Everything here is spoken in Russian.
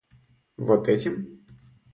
Вот этим?